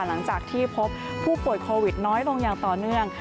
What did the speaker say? หลังจากที่พบผู้ป่วยโควิดน้อยลงอย่างต่อเนื่อง